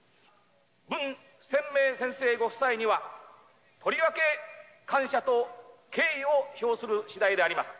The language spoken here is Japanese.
文鮮明先生ご夫妻には、とりわけ感謝と敬意を表するしだいであります。